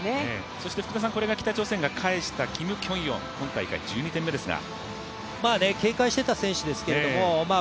そしてこれが北朝鮮が返したキム・キョンヨン、今大会１２点目ですが。